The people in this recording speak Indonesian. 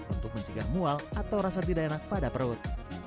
untuk mencegah mual atau rasa tidak enak pada perut